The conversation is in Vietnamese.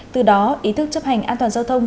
từ đó ý thức chấp hành an toàn giao thông